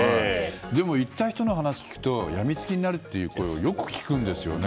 でも、行った人の声を聞くと病みつきになるって声をよく聞くんですよね。